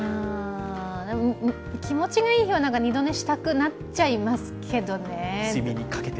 気持ちがいい日は二度寝したくなっちゃいますけどね。